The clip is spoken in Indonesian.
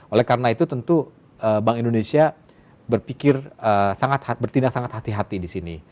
oleh karena itu tentu bank indonesia berpikir sangat bertindak sangat hati hati di sini